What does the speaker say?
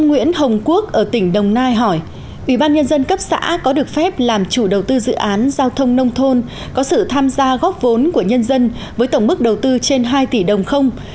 ủy ban nhân dân cấp xã có được phép làm chủ đầu tư dự án giao thông nông thôn có sự tham gia góp vốn của nhân dân với tổng mức đầu tư trên hai tỷ đồng không